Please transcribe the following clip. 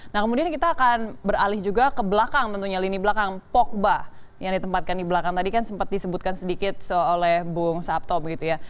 nah kemudian kita akan beralih juga ke belakang tentunya lini belakang pogba yang ditempatkan di belakang tadi kan sempat disebutkan sedikit oleh bung sabto begitu ya